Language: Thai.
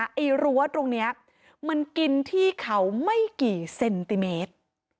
ไอ้รั้วตรงนี้มันกินที่เขาไม่กี่เซนติเมตร